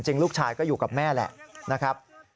ลูกชายก็อยู่กับแม่แหละนะครับ